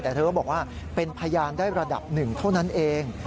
แต่เธอก็บอกว่าเป็นพยานได้ระดับหนึ่งเท่านั้นเอง